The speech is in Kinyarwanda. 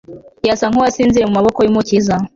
yasa nkuwasinziriye mumaboko yumukiza